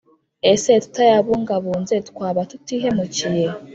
ese tutayabungabunze twaba tutihemukiye?